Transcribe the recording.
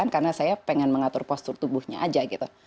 karena saya ingin mengatur postur tubuhnya saja